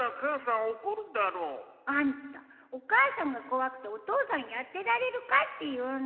あんたお母さんが怖くてお父さんやってられるかっていうの。